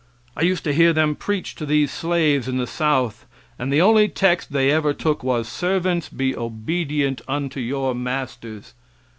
I used to hear them preach to these slaves in the South and the only text they ever took was "Servants, be obedient unto your masters."